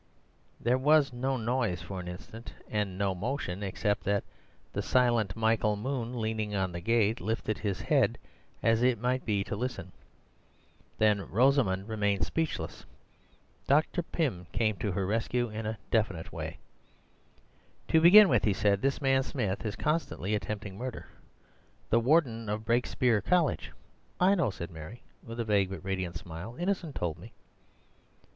There was no noise for an instant and no motion except that the silent Michael Moon, leaning on the gate, lifted his head, as it might be to listen. Then Rosamund remaining speechless, Dr. Pym came to her rescue in a definite way. "To begin with," he said, "this man Smith is constantly attempting murder. The Warden of Brakespeare College—" "I know," said Mary, with a vague but radiant smile. "Innocent told me."